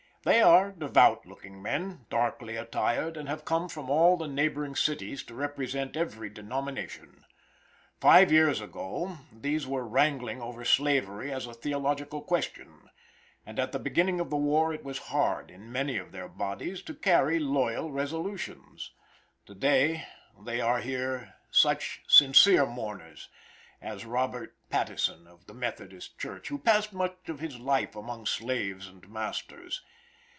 They are devout looking men, darkly attired, and have come from all the neighboring cities to represent every denomination. Five years ago these were wrangling over slavery as a theological question, and at the beginning of the war it was hard, in many of their bodies, to carry loyal resolutions, To day there are here such sincere mourners as Robert Pattison, of the Methodist church, who passed much of his life among slaves and masters.